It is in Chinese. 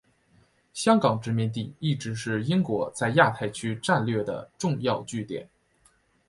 香港殖民地一直是英国在亚太区战略的重要据点。